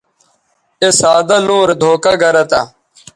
اے سادہ لوں رے دھوکہ گرہ تھہ